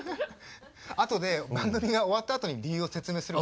後で番組が終わったあとに理由を説明するわ。